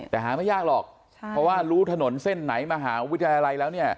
แต่หาไม่ยากหรอกเพราะว่ารู้ถนนเส้นไหนมหาวิทยาลัยแล้วเนี่ย